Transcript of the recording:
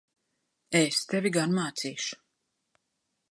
Es tevi gan mācīšu!